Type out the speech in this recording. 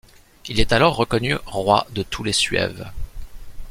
Il est alors reconnu Roi de tous les Suèves.